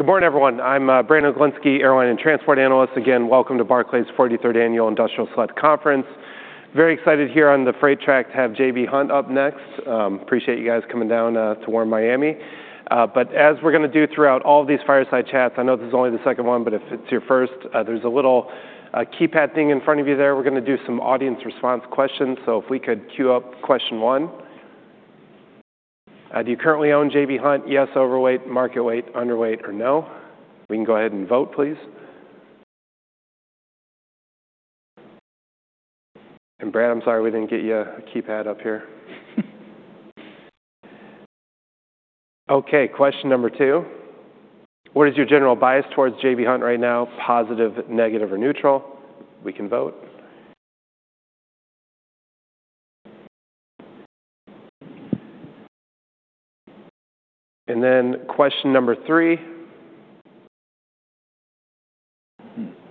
Good morning, everyone. I'm Brandon Oglenski, airline and transport analyst. Again, welcome to Barclays 43rd Annual Industrial Select Conference. Very excited here on the freight track to have J.B. Hunt up next. Appreciate you guys coming down to warm Miami. But as we're going to do throughout all of these fireside chats, I know this is only the second one, but if it's your first, there's a little keypad thing in front of you there. We're going to do some audience response questions. So if we could queue up question one. Do you currently own J.B. Hunt? Yes, overweight, market weight, underweight, or no. We can go ahead and vote, please. And Brad, I'm sorry, we didn't get you a keypad up here. Okay, question number two: What is your general bias towards J.B. Hunt right now? Positive, negative, or neutral? We can vote. Then question number three.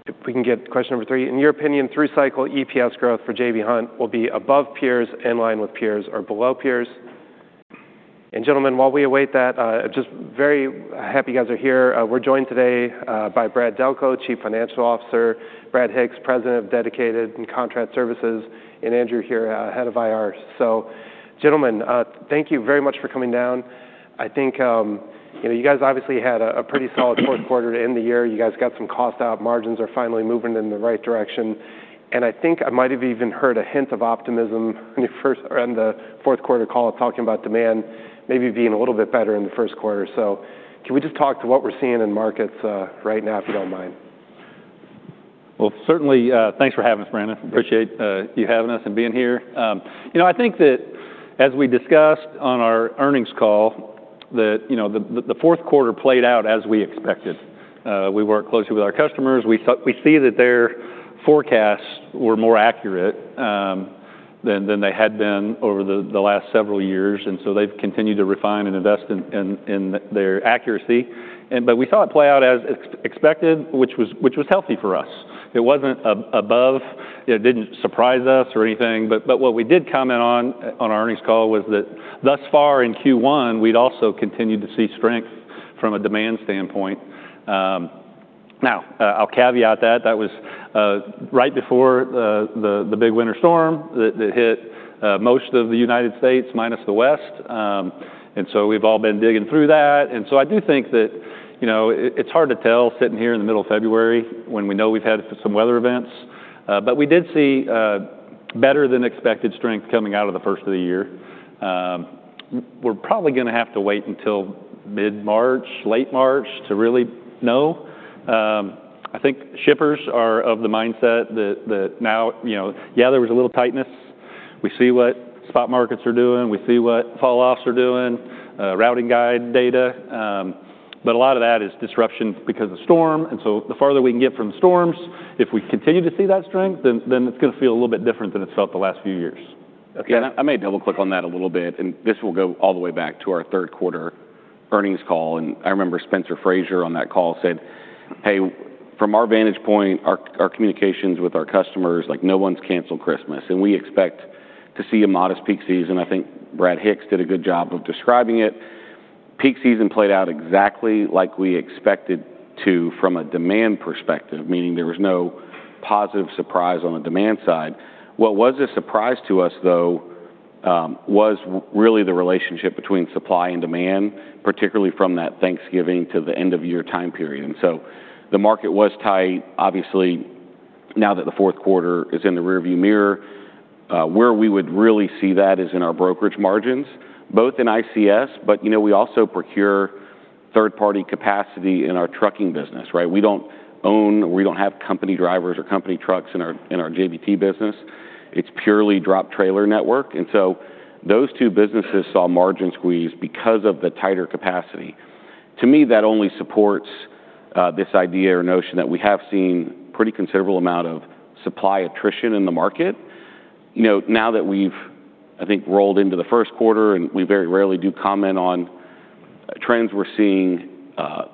If we can get question number three. In your opinion, through cycle, EPS growth for J.B. Hunt will be above peers, in line with peers, or below peers? Gentlemen, while we await that, just very happy you guys are here. We're joined today by Brad Delco, Chief Financial Officer, Brad Hicks, President of Dedicated Contract Services, and Andrew here, Head of IR. So gentlemen, thank you very much for coming down. I think, you know, you guys obviously had a pretty solid fourth quarter to end the year. You guys got some cost out. Margins are finally moving in the right direction, and I think I might have even heard a hint of optimism when you first on the fourth quarter call, talking about demand maybe being a little bit better in the first quarter. Can we just talk to what we're seeing in markets right now, if you don't mind? Well, certainly, thanks for having us, Brandon. Appreciate you having us and being here. You know, I think that as we discussed on our earnings call, that, you know, the fourth quarter played out as we expected. We worked closely with our customers. We see that their forecasts were more accurate than they had been over the last several years, and so they've continued to refine and invest in their accuracy. But we saw it play out as expected, which was healthy for us. It wasn't above. It didn't surprise us or anything, but what we did comment on our earnings call was that thus far in Q1, we'd also continued to see strength from a demand standpoint. Now, I'll caveat that that was right before the big winter storm that hit most of the United States minus the West. And so we've all been digging through that. And so I do think that, you know, it's hard to tell sitting here in the middle of February when we know we've had some weather events, but we did see better-than-expected strength coming out of the first of the year. We're probably going to have to wait until mid-March, late March, to really know. I think shippers are of the mindset that now, you know, yeah, there was a little tightness. We see what spot markets are doing, we see what falloffs are doing, routing guide data, but a lot of that is disruption because of the storm. And so the farther we can get from storms, if we continue to see that strength, then, then it's going to feel a little bit different than it's felt the last few years. Okay. I may double-click on that a little bit, and this will go all the way back to our third quarter earnings call. I remember Spencer Frazier on that call said, "Hey, from our vantage point, our communications with our customers, like, no one's canceled Christmas, and we expect to see a modest peak season." I think Brad Hicks did a good job of describing it. Peak season played out exactly like we expected to from a demand perspective, meaning there was no positive surprise on the demand side. What was a surprise to us, though, was really the relationship between supply and demand, particularly from that Thanksgiving to the end-of-year time period. So the market was tight. Obviously, now that the fourth quarter is in the rearview mirror, where we would really see that is in our brokerage margins, both in ICS, but you know, we also procure third-party capacity in our trucking business, right? We don't own, or we don't have company drivers or company trucks in our JBT business. It's purely drop trailer network. And so those two businesses saw margin squeeze because of the tighter capacity. To me, that only supports this idea or notion that we have seen pretty considerable amount of supply attrition in the market. You know, now that we've, I think, rolled into the first quarter, and we very rarely do comment on trends we're seeing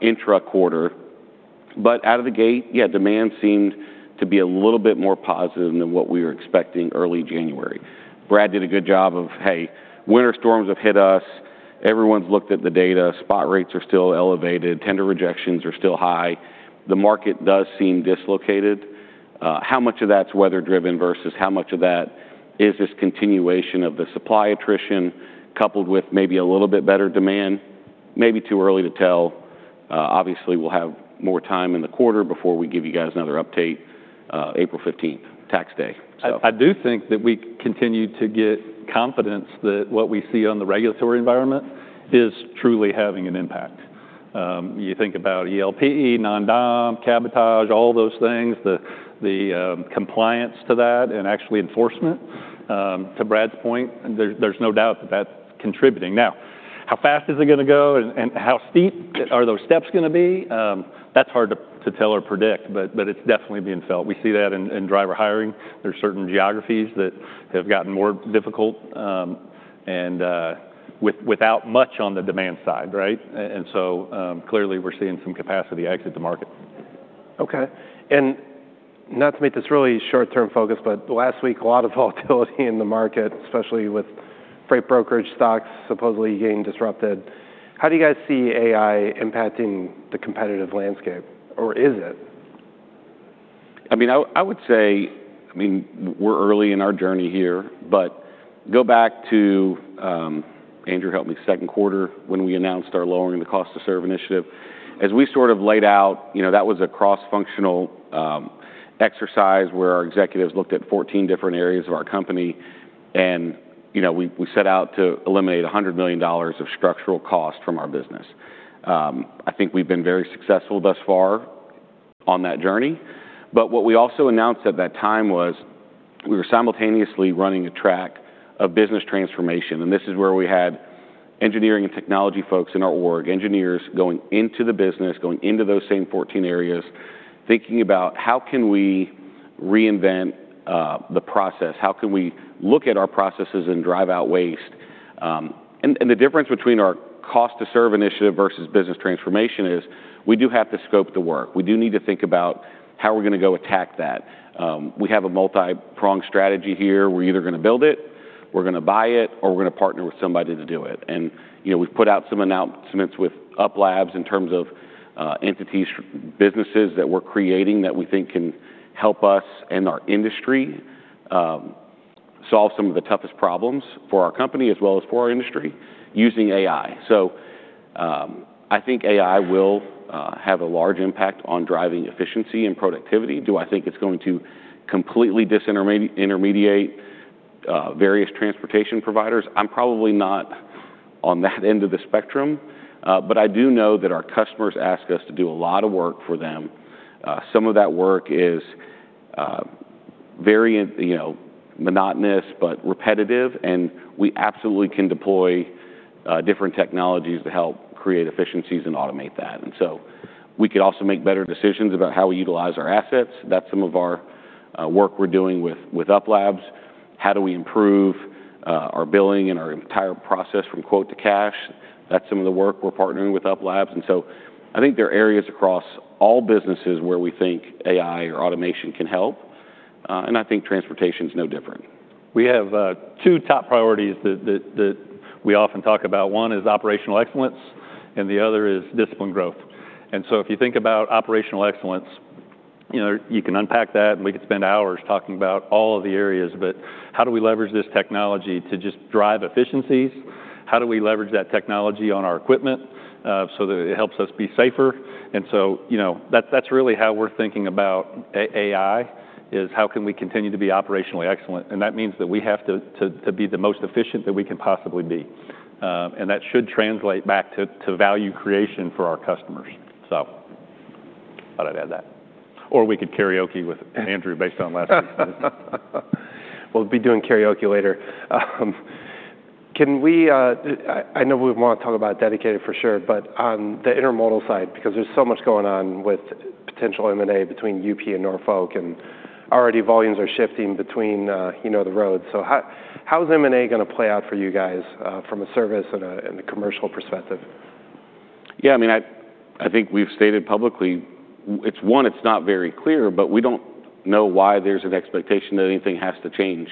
intra-quarter, but out of the gate, yeah, demand seemed to be a little bit more positive than what we were expecting early January. Brad did a good job of, "Hey, winter storms have hit us. Everyone's looked at the data. Spot rates are still elevated, tender rejections are still high." The market does seem dislocated. How much of that's weather driven versus how much of that is this continuation of the supply attrition coupled with maybe a little bit better demand? Maybe too early to tell. Obviously, we'll have more time in the quarter before we give you guys another update, April 15th, Tax Day. So- I do think that we continue to get confidence that what we see on the regulatory environment is truly having an impact. You think about ELD, non-dom, cabotage, all those things, the compliance to that and actually enforcement, to Brad's point, there's no doubt that that's contributing. Now, how fast is it going to go, and how steep are those steps going to be? That's hard to tell or predict, but it's definitely being felt. We see that in driver hiring. There are certain geographies that have gotten more difficult, and without much on the demand side, right? And so, clearly, we're seeing some capacity exit the market. Okay, and not to make this really short-term focused, but last week, a lot of volatility in the market, especially with freight brokerage stocks supposedly getting disrupted. How do you guys see AI impacting the competitive landscape, or is it? I mean, I would say, I mean, we're early in our journey here, but go back to, Andrew, help me, second quarter, when we announced our lowering the cost to serve initiative. As we sort of laid out, you know, that was a cross-functional exercise where our executives looked at 14 different areas of our company, and, you know, we set out to eliminate $100 million of structural cost from our business. I think we've been very successful thus far on that journey. But what we also announced at that time was we were simultaneously running a track of business transformation, and this is where we had engineering and technology folks in our org, engineers going into the business, going into those same 14 areas, thinking about: how can we reinvent the process? How can we look at our processes and drive out waste? And the difference between our cost to serve initiative versus business transformation is we do have to scope the work. We do need to think about how we're gonna go attack that. We have a multi-pronged strategy here. We're either gonna build it, we're gonna buy it, or we're gonna partner with somebody to do it. And, you know, we've put out some announcements with UP.Labs in terms of entities, businesses that we're creating that we think can help us and our industry solve some of the toughest problems for our company as well as for our industry, using AI. So, I think AI will have a large impact on driving efficiency and productivity. Do I think it's going to completely disintermediate various transportation providers? I'm probably not on that end of the spectrum. But I do know that our customers ask us to do a lot of work for them. Some of that work is very, you know, monotonous but repetitive, and we absolutely can deploy different technologies to help create efficiencies and automate that. And so we could also make better decisions about how we utilize our assets. That's some of our work we're doing with UP.Labs. How do we improve our billing and our entire process from quote to cash? That's some of the work we're partnering with UP.Labs. And so I think there are areas across all businesses where we think AI or automation can help, and I think transportation is no different. We have two top priorities that we often talk about. One is operational excellence, and the other is disciplined growth. And so if you think about operational excellence, you know, you can unpack that, and we could spend hours talking about all of the areas, but how do we leverage this technology to just drive efficiencies? How do we leverage that technology on our equipment so that it helps us be safer? And so, you know, that's really how we're thinking about AI: how can we continue to be operationally excellent? And that means that we have to be the most efficient that we can possibly be. And that should translate back to value creation for our customers. So thought I'd add that. Or we could karaoke with Andrew based on last week's meeting. We'll be doing karaoke later. Can we? I know we want to talk about dedicated for sure, but on the intermodal side, because there's so much going on with potential M&A between UP.Labs and Norfolk, and already volumes are shifting between the roads. So how is M&A gonna play out for you guys from a service and a commercial perspective? Yeah, I mean, I think we've stated publicly, it's not very clear, but we don't know why there's an expectation that anything has to change.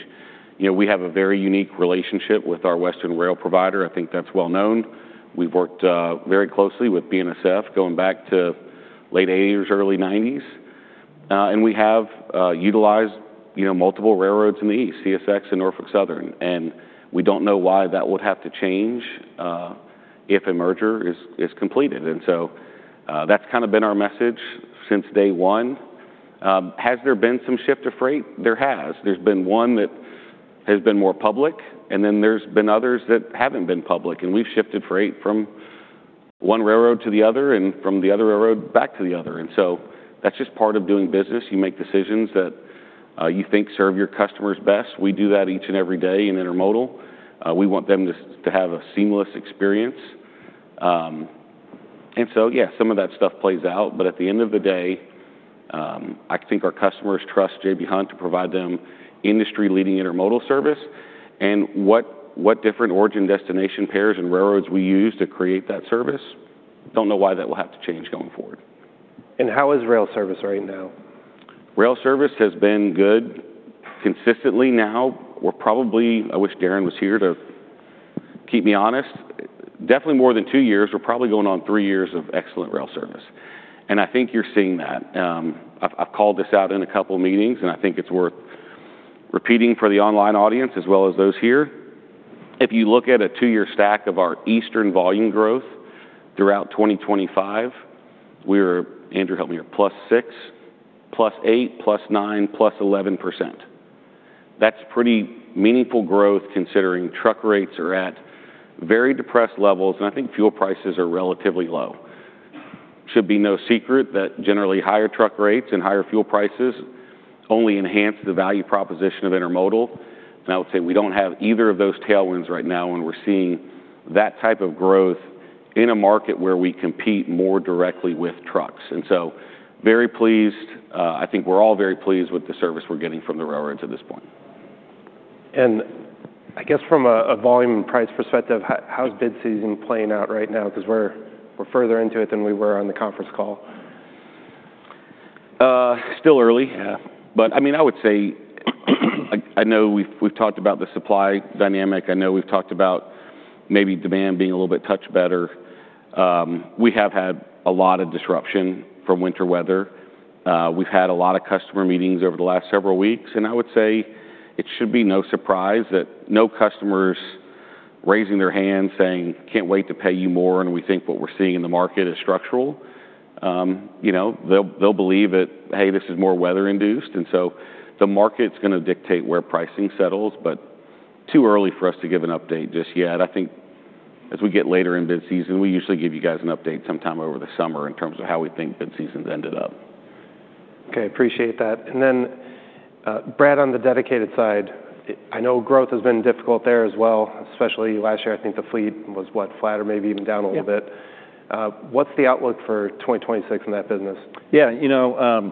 You know, we have a very unique relationship with our western rail provider. I think that's well known. We've worked very closely with BNSF, going back to late 1980s, early 1990s. And we have utilized, you know, multiple railroads in the East, CSX and Norfolk Southern, and we don't know why that would have to change if a merger is completed. And so, that's kind of been our message since day one. Has there been some shift of freight? There has. There's been one that has been more public, and then there's been others that haven't been public, and we've shifted freight from one railroad to the other and from the other railroad back to the other. And so that's just part of doing business. You make decisions that you think serve your customers best. We do that each and every day in intermodal. We want them to have a seamless experience. And so, yeah, some of that stuff plays out, but at the end of the day, I think our customers trust J.B. Hunt to provide them industry-leading intermodal service. And what different origin-destination pairs and railroads we use to create that service, don't know why that will have to change going forward. How is rail service right now? Rail service has been good consistently now. We're probably. I wish Darren was here to keep me honest, definitely more than two years. We're probably going on three years of excellent rail service, and I think you're seeing that. I've called this out in a couple of meetings, and I think it's worth repeating for the online audience as well as those here. If you look at a two-year stack of our eastern volume growth throughout 2025, we're, Andrew, help me here, +6%, +8%, +9%, +11%. That's pretty meaningful growth, considering truck rates are at very depressed levels, and I think fuel prices are relatively low. Should be no secret that generally higher truck rates and higher fuel prices only enhance the value proposition of intermodal, and I would say we don't have either of those tailwinds right now, and we're seeing that type of growth in a market where we compete more directly with trucks. And so very pleased. I think we're all very pleased with the service we're getting from the railroads at this point. I guess from a volume and price perspective, how's bid season playing out right now? 'Cause we're further into it than we were on the conference call. Still early. Yeah. But I mean, I would say I know we've talked about the supply dynamic. I know we've talked about maybe demand being a little bit much better. We have had a lot of disruption from winter weather. We've had a lot of customer meetings over the last several weeks, and I would say it should be no surprise that no customer's raising their hand saying, "Can't wait to pay you more, and we think what we're seeing in the market is structural." You know, they'll believe that, "Hey, this is more weather-induced," and so the market's gonna dictate where pricing settles, but too early for us to give an update just yet. I think as we get later in bid season, we usually give you guys an update sometime over the summer in terms of how we think bid season's ended up. Okay, appreciate that. And then, Brad, on the dedicated side, I know growth has been difficult there as well, especially last year. I think the fleet was, what? Flat or maybe even down a little bit. Yeah. What's the outlook for 2026 in that business? Yeah, you know,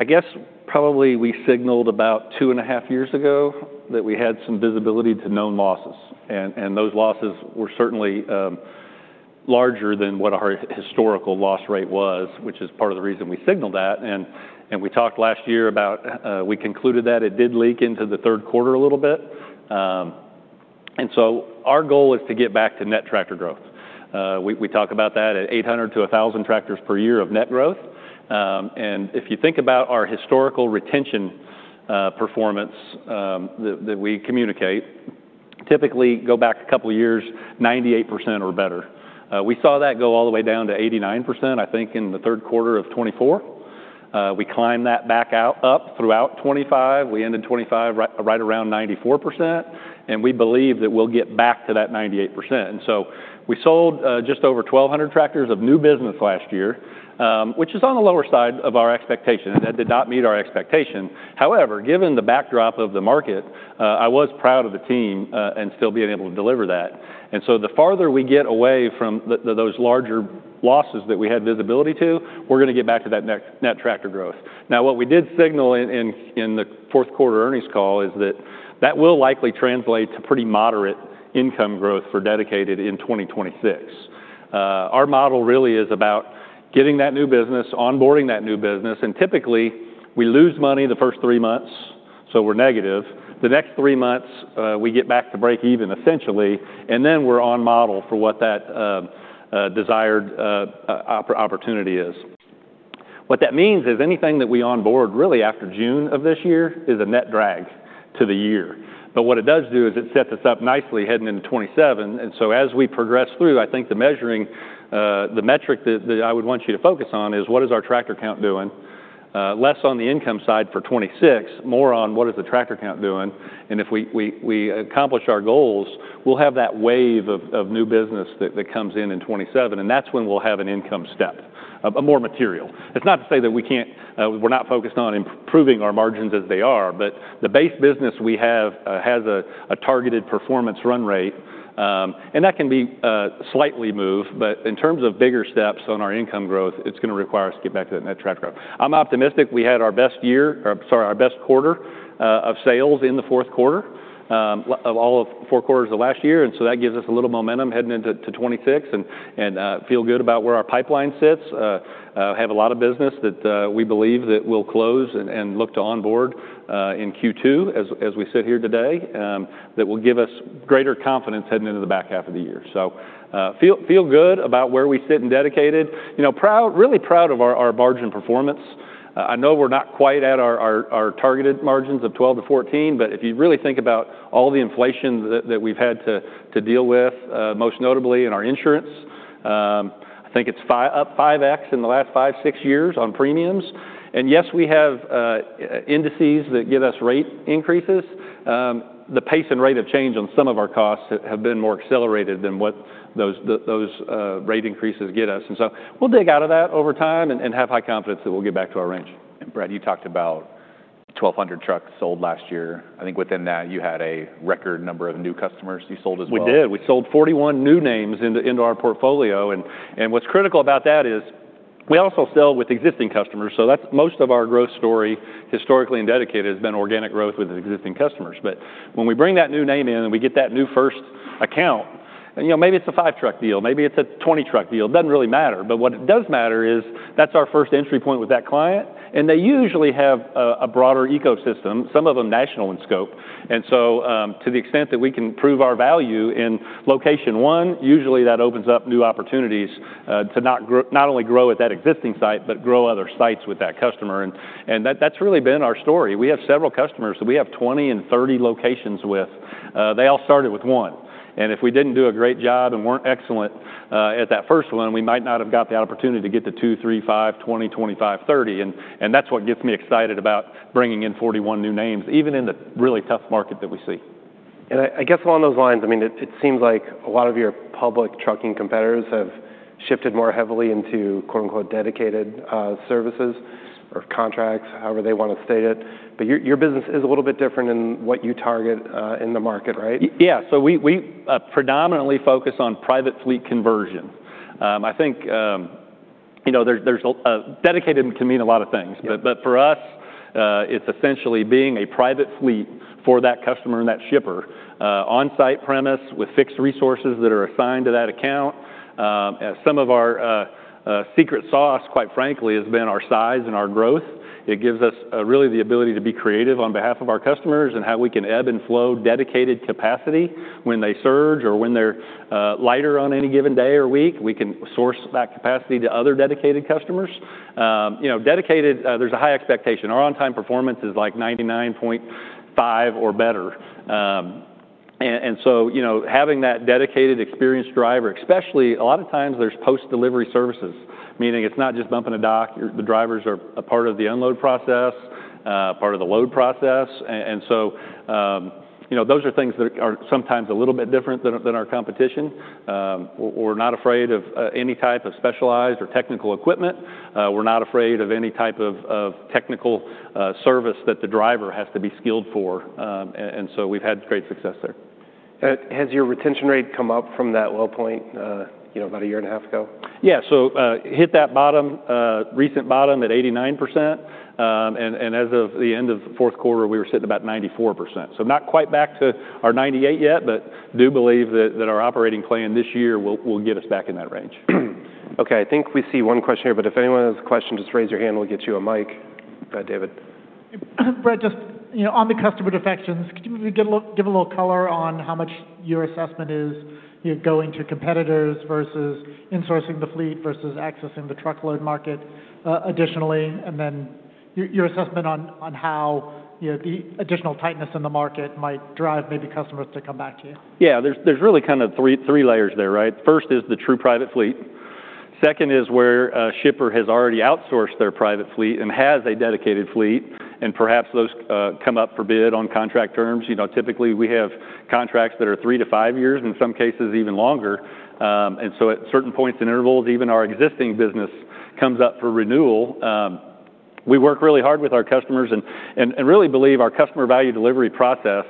I guess probably we signaled about two and a half years ago that we had some visibility to known losses, and those losses were certainly larger than what our historical loss rate was, which is part of the reason we signaled that. We talked last year about. We concluded that it did leak into the third quarter a little bit. So our goal is to get back to net tractor growth. We talk about that at 800-1,000 tractors per year of net growth. And if you think about our historical retention performance that we communicate, typically go back a couple of years, 98% or better. We saw that go all the way down to 89%, I think, in the third quarter of 2024. We climbed that back out, up throughout 2025. We ended 2025 right around 94%, and we believe that we'll get back to that 98%. And so we sold just over 1,200 tractors of new business last year, which is on the lower side of our expectation. That did not meet our expectation. However, given the backdrop of the market, I was proud of the team and still being able to deliver that. And so the farther we get away from those larger losses that we had visibility to, we're gonna get back to that net tractor growth. Now, what we did signal in the fourth quarter earnings call is that that will likely translate to pretty moderate income growth for dedicated in 2026. Our model really is about getting that new business, onboarding that new business, and typically, we lose money the first three months, so we're negative. The next three months, we get back to break even, essentially, and then we're on model for what that desired opportunity is. What that means is anything that we onboard really after June of this year is a net drag to the year. But what it does do is it sets us up nicely heading into 2027. And so as we progress through, I think the measuring the metric that I would want you to focus on is what is our tractor count doing? Less on the income side for 2026, more on what is the tractor count doing. If we accomplish our goals, we'll have that wave of new business that comes in in 2027, and that's when we'll have an income step of a more material. It's not to say that we can't, we're not focused on improving our margins as they are, but the base business we have has a targeted performance run rate, and that can be slightly moved. But in terms of bigger steps on our income growth, it's gonna require us to get back to that net tractor growth. I'm optimistic. We had our best year, or sorry, our best quarter of sales in the fourth quarter of all of four quarters of last year, and so that gives us a little momentum heading into 2026, and feel good about where our pipeline sits. have a lot of business that we believe that we'll close and look to onboard in Q2, as we sit here today, that will give us greater confidence heading into the back half of the year. So, feel good about where we sit in dedicated. You know, proud, really proud of our margin performance. I know we're not quite at our targeted margins of 12-14, but if you really think about all the inflation that we've had to deal with, most notably in our insurance, I think it's up 5x in the last five to six years on premiums. And yes, we have indices that give us rate increases. The pace and rate of change on some of our costs have been more accelerated than what those rate increases get us. And so we'll dig out of that over time and have high confidence that we'll get back to our range. Brad, you talked about 1,200 trucks sold last year. I think within that, you had a record number of new customers you sold as well. We did. We sold 41 new names into our portfolio, and what's critical about that is we also sell with existing customers, so that's most of our growth story, historically and dedicated, has been organic growth with existing customers. But when we bring that new name in and we get that new first account, and, you know, maybe it's a five-truck deal, maybe it's a 20-truck deal, it doesn't really matter. But what it does matter is that's our first entry point with that client, and they usually have a broader ecosystem, some of them national in scope. And so, to the extent that we can prove our value in location one, usually that opens up new opportunities to not only grow at that existing site, but grow other sites with that customer. And that's really been our story. We have several customers, so we have 20 and 30 locations with. They all started with one, and if we didn't do a great job and weren't excellent at that first one, we might not have got the opportunity to get to two, three, five, 20, 25, 30, and, and that's what gets me excited about bringing in 41 new names, even in the really tough market that we see. I guess along those lines, I mean, it seems like a lot of your public trucking competitors have shifted more heavily into, quote-unquote, "dedicated," services or contracts, however they want to state it, but your business is a little bit different in what you target in the market, right? Yeah. So we predominantly focus on private fleet conversion. I think you know, dedicated can mean a lot of things. Yeah. But for us, it's essentially being a private fleet for that customer and that shipper, on-site presence with fixed resources that are assigned to that account. As some of our secret sauce, quite frankly, has been our size and our growth. It gives us really the ability to be creative on behalf of our customers and how we can ebb and flow dedicated capacity when they surge or when they're lighter on any given day or week, we can source that capacity to other dedicated customers. You know, dedicated, there's a high expectation. Our on-time performance is like 99.5% or better. And so, you know, having that dedicated, experienced driver, especially a lot of times there's post-delivery services, meaning it's not just bumping a dock. Your drivers are a part of the unload process, part of the load process. And so, you know, those are things that are sometimes a little bit different than our competition. We're not afraid of any type of specialized or technical equipment. We're not afraid of any type of technical service that the driver has to be skilled for. And so we've had great success there. Has your retention rate come up from that low point, you know, about a year and a half ago? Yeah. So, hit that bottom, recent bottom at 89%. And as of the end of the fourth quarter, we were sitting about 94%. So not quite back to our 98% yet, but do believe that our operating plan this year will get us back in that range. Okay, I think we see one question here, but if anyone has a question, just raise your hand, we'll get you a mic. David. Brad, just, you know, on the customer defections, could you give a little color on how much your assessment is, you know, going to competitors versus insourcing the fleet versus accessing the truckload market, additionally? And then your assessment on how, you know, the additional tightness in the market might drive maybe customers to come back to you. Yeah, there's really kind of three layers there, right? First is the true private fleet. Second is where a shipper has already outsourced their private fleet and has a dedicated fleet, and perhaps those come up for bid on contract terms. You know, typically, we have contracts that are three to five years, in some cases even longer. And so at certain points and intervals, even our existing business comes up for renewal. We work really hard with our customers and really believe our Customer Value Delivery process,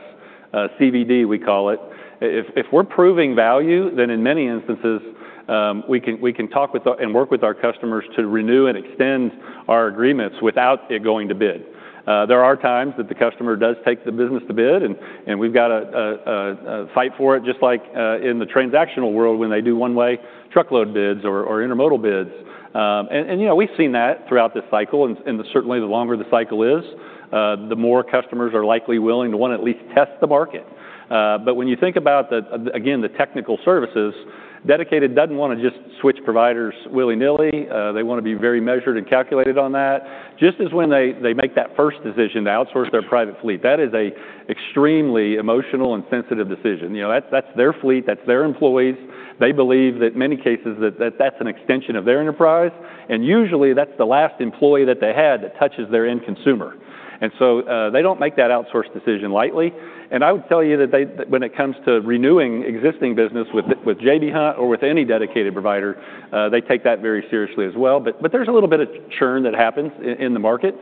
CVD, we call it. If we're proving value, then in many instances, we can talk with and work with our customers to renew and extend our agreements without it going to bid. There are times that the customer does take the business to bid, and we've got a fight for it, just like in the transactional world when they do one-way truckload bids or intermodal bids. You know, we've seen that throughout this cycle, and certainly the longer the cycle is, the more customers are likely willing to want to at least test the market. But when you think about the, again, the technical services, dedicated doesn't want to just switch providers willy-nilly. They want to be very measured and calculated on that, just as when they make that first decision to outsource their private fleet. That is a extremely emotional and sensitive decision. You know, that's, that's their fleet, that's their employees. They believe that many cases that that's an extension of their enterprise, and usually, that's the last employee that they had that touches their end consumer. And so, they don't make that outsource decision lightly. And I would tell you that they—when it comes to renewing existing business with J.B. Hunt or with any dedicated provider, they take that very seriously as well. But there's a little bit of churn that happens in the market.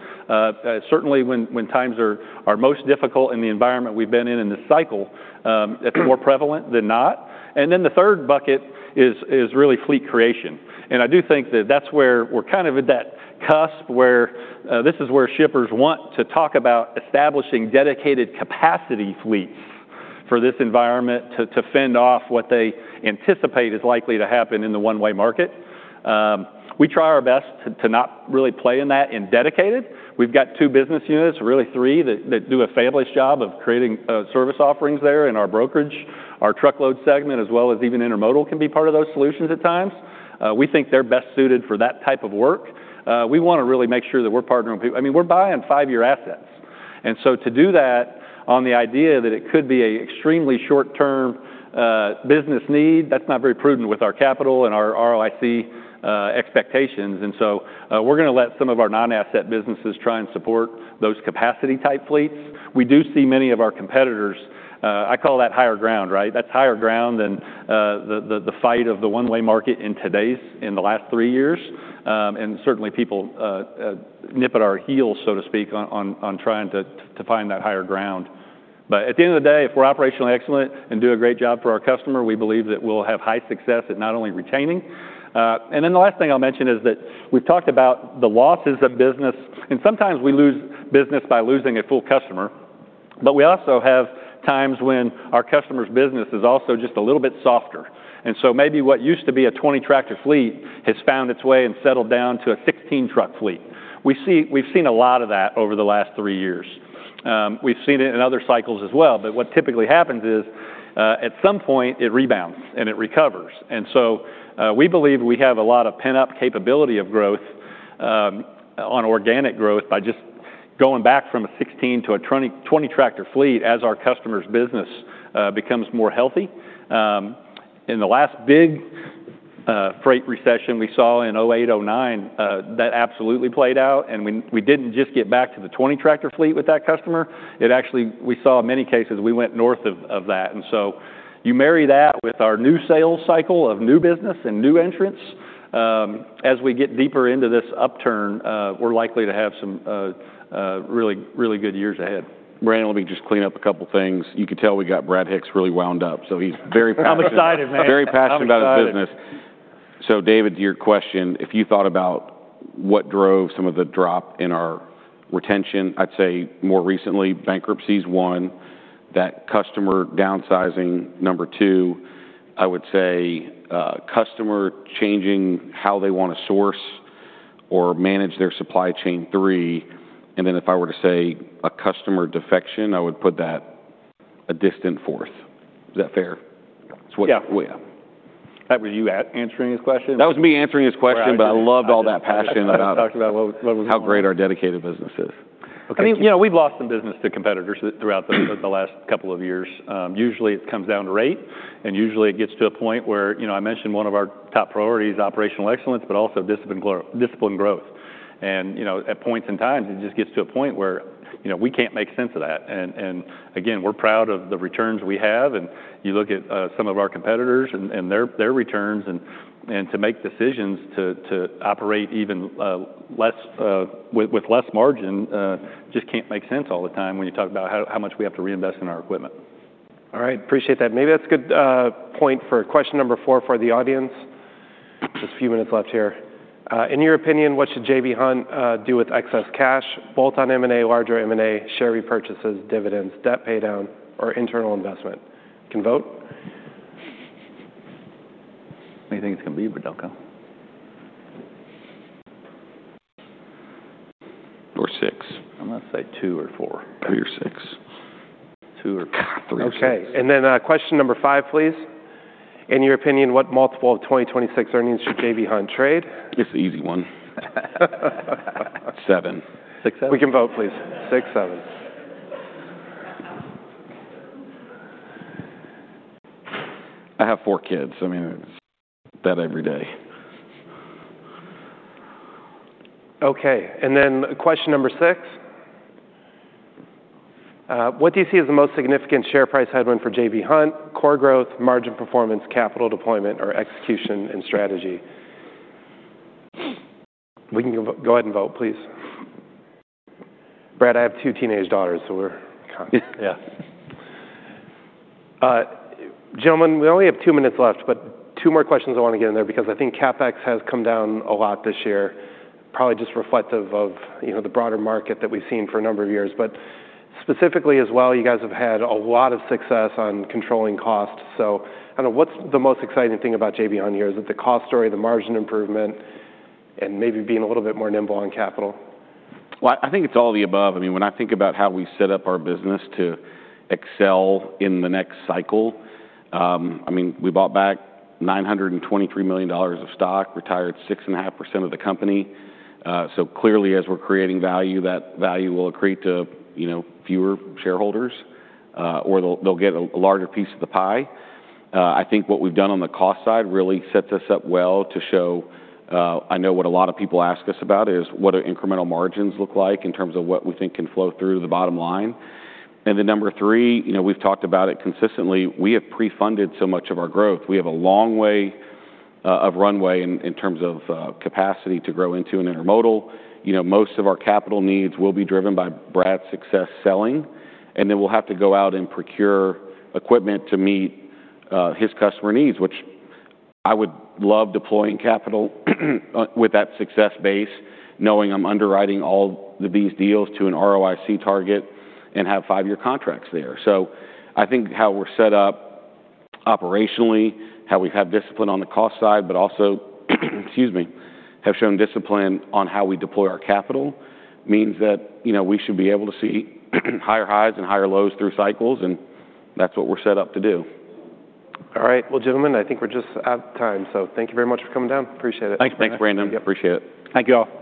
Certainly when times are most difficult in the environment we've been in, in this cycle, it's more prevalent than not. And then the third bucket is really fleet creation. I do think that that's where we're kind of at that cusp where, this is where shippers want to talk about establishing dedicated capacity fleets for this environment to fend off what they anticipate is likely to happen in the one-way market. We try our best to not really play in that in dedicated. We've got two business units, really three, that do a fabulous job of creating service offerings there in our brokerage, our truckload segment, as well as even intermodal, can be part of those solutions at times. We think they're best suited for that type of work. We want to really make sure that we're partnering with people... I mean, we're buying five-year assets. And so to do that on the idea that it could be an extremely short-term business need, that's not very prudent with our capital and our ROIC expectations. And so, we're going to let some of our non-asset businesses try and support those capacity-type fleets. We do see many of our competitors. I call that higher ground, right? That's higher ground than the fight of the one-way market in today's—in the last three years. And certainly people nip at our heels, so to speak, on trying to find that higher ground. But at the end of the day, if we're operationally excellent and do a great job for our customer, we believe that we'll have high success at not only retaining. And then the last thing I'll mention is that we've talked about the losses of business, and sometimes we lose business by losing a full customer, but we also have times when our customer's business is also just a little bit softer. And so maybe what used to be a 20-tractor fleet has found its way and settled down to a 16-truck fleet. We've seen a lot of that over the last three years. We've seen it in other cycles as well, but what typically happens is, at some point, it rebounds and it recovers. And so, we believe we have a lot of pent-up capability of growth, on organic growth by just going back from a 16 to a 20, 20-tractor fleet as our customer's business becomes more healthy. In the last big freight recession we saw in 2008, 2009, that absolutely played out, and we didn't just get back to the 20-tractor fleet with that customer. It actually, we saw in many cases, we went north of that. And so you marry that with our new sales cycle of new business and new entrants. As we get deeper into this upturn, we're likely to have some really, really good years ahead. Brandon, let me just clean up a couple things. You can tell we got Brad Hicks really wound up, so he's very passionate- I'm excited, man. Very passionate about his business. So David, to your question, if you thought about what drove some of the drop in our retention, I'd say more recently, bankruptcy is one, that customer downsizing, number two, I would say, customer changing how they want to source or manage their supply chain, three, and then if I were to say a customer defection, I would put that a distant fourth. Is that fair? Yeah. Yeah. That, were you answering his question? That was me answering his question, but I loved all that passion about- Talked about what was- How great our dedicated business is. Okay. I mean, you know, we've lost some business to competitors throughout the last couple of years. Usually, it comes down to rate, and usually it gets to a point where, you know, I mentioned one of our top priorities, operational excellence, but also disciplined growth. And, you know, at points in time, it just gets to a point where, you know, we can't make sense of that. And again, we're proud of the returns we have, and you look at some of our competitors and their returns and to make decisions to operate even less with less margin just can't make sense all the time when you talk about how much we have to reinvest in our equipment. All right. Appreciate that. Maybe that's a good point for question number four for the audience. Just a few minutes left here. In your opinion, what should J.B. Hunt do with excess cash, both on M&A, larger M&A, share repurchases, dividends, debt paydown, or internal investment? You can vote. What do you think it's gonna be, Brad Delco? Four or six. I'm gonna say two or four. Three or six. Two or three or six. Okay, and then, question number five, please. In your opinion, what multiple of 2026 earnings should J.B. Hunt trade? It's an easy one. Seven. Six, seven. We can vote, please. Six, seven. I have four kids, I mean, it's that every day. Okay, and then question number six, what do you see as the most significant share price headwind for J.B. Hunt? Core growth, margin performance, capital deployment, or execution and strategy. We can go ahead and vote, please. Brad, I have two teenage daughters, so we're kind of- Yeah. Gentlemen, we only have two minutes left, but two more questions I want to get in there because I think CapEx has come down a lot this year, probably just reflective of, you know, the broader market that we've seen for a number of years. But specifically as well, you guys have had a lot of success on controlling costs, so I don't know, what's the most exciting thing about J.B. Hunt here? Is it the cost story, the margin improvement, and maybe being a little bit more nimble on capital? Well, I think it's all of the above. I mean, when I think about how we set up our business to excel in the next cycle, I mean, we bought back $923 million of stock, retired 6.5% of the company. So clearly, as we're creating value, that value will accrete to, you know, fewer shareholders, or they'll, they'll get a larger piece of the pie. I think what we've done on the cost side really sets us up well to show, I know what a lot of people ask us about is what do incremental margins look like in terms of what we think can flow through to the bottom line. And then number three, you know, we've talked about it consistently, we have pre-funded so much of our growth. We have a long way of runway in, in terms of capacity to grow into and intermodal. You know, most of our capital needs will be driven by Brad's success selling, and then we'll have to go out and procure equipment to meet his customer needs, which I would love deploying capital with that success base, knowing I'm underwriting all of these deals to an ROIC target and have five-year contracts there. So I think how we're set up operationally, how we have discipline on the cost side, but also, excuse me, have shown discipline on how we deploy our capital, means that, you know, we should be able to see higher highs and higher lows through cycles, and that's what we're set up to do. All right. Well, gentlemen, I think we're just out of time, so thank you very much for coming down. Appreciate it. Thanks. Thanks, Brandon. Appreciate it. Thank you all.